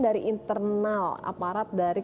dari internal aparat dari